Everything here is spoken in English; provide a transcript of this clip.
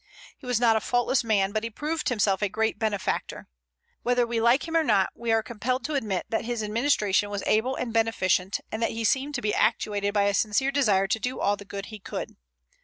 He was not a faultless man, but he proved himself a great benefactor. Whether we like him or not, we are compelled to admit that his administration was able and beneficent, and that he seemed to be actuated by a sincere desire to do all the good he could.